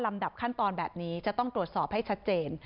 ดับขั้นตอนแบบนี้จะต้องตรวจสอบให้ชัดเจน